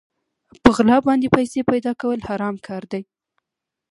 په غلا باندې پيسې پيدا کول حرام کار دی.